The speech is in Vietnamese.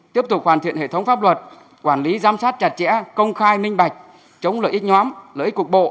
tiếp tục hoàn thiện hệ thống pháp luật quản lý giám sát chặt chẽ công khai minh bạch chống lợi ích nhóm lợi ích cục bộ